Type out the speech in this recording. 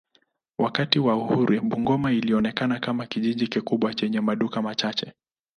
Wakati wa uhuru Bungoma ilionekana kama kijiji kikubwa chenye maduka machache.